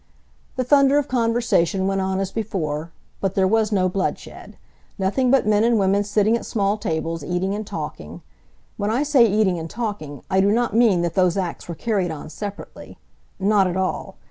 The thunder of conversation went on as before. But there was no bloodshed. Nothing but men and women sitting at small tables, eating and talking. When I say eating and talking I do not mean that those acts were carried on separately. Not at all.